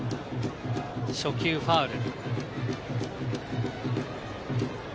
初球、ファウル。